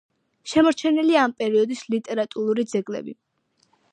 შემორჩენილია ამ პერიოდის ლიტერატურული ძეგლები.